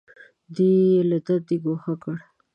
دی یې له دندې ګوښه کړ.